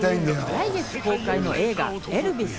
来月公開の映画『エルヴィス』。